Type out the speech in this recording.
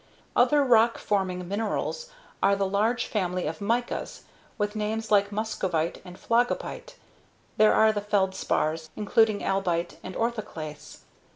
Other rock forming minerals are the large family of micas, with names like muscovite and phlogopite. There are the feldspars, including albite and orthoclase.